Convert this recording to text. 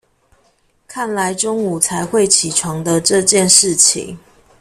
看來中午才會起床的這件事情